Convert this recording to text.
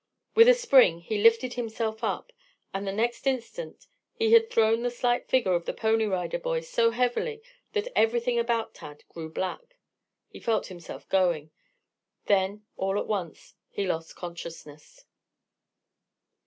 With a spring he lifted himself up, and the next instant he had thrown the slight figure of the Pony Rider Boy so heavily that everything about Tad grew black. He felt himself going. Then all at once he lost consciousness.